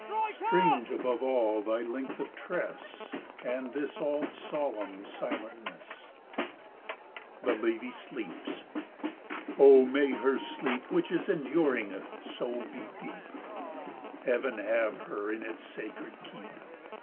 Strange, above all, thy length of tress, And this all solemn silentness! The lady sleeps! Oh, may her sleep Which is enduring, so be deep! Heaven have her in its sacred keep!